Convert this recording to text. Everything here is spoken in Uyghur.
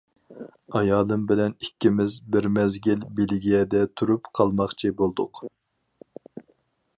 ئايالىم بىلەن ئىككىمىز بىر مەزگىل بېلگىيەدە تۇرۇپ قالماقچى بولدۇق.